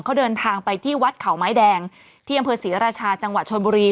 เขาเดินทางไปที่วัดเขาไม้แดงที่อำเภอศรีราชาจังหวัดชนบุรี